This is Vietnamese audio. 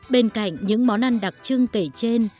bên cạnh những món ăn đặc trưng kể trên